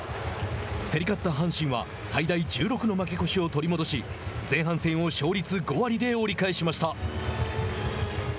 競り勝った阪神は最大１６の負け越しを取り戻し前半戦を勝率５割で折り返しました。